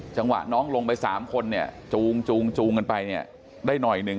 จังหวะน้องลงไป๓คนจูงกันไปได้หน่อยนึง